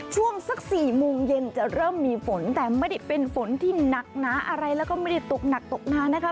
ช่วงสัก๔โมงเย็นจะเริ่มมีฝนแต่ไม่ได้เป็นฝนที่หนักหนาอะไรแล้วก็ไม่ได้ตกหนักตกนานนะคะ